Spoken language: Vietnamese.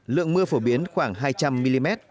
lượng mưa phổ biến khoảng hai trăm linh mm